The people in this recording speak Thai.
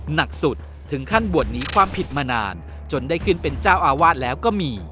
หนักสุดถึงขั้นบวชหนีความผิดมานานจนได้ขึ้นเป็นเจ้าอาวาสแล้วก็มี